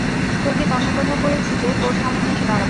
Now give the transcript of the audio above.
তোকে তন্নতন্ন করে খুঁজে তোর সামনে এসে দাঁড়াব।